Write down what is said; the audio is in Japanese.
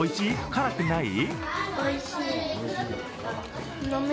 辛くない？